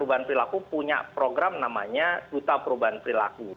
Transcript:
di tgp punya program namanya kuta perubahan perilaku